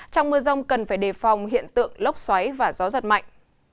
trong mưa rông cần phải đề phòng hiện tượng lốc xoáy và gió giật mạnh